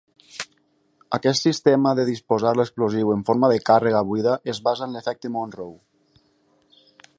Aquest sistema de disposar l'explosiu en forma de càrrega buida es basa en l'efecte Monroe.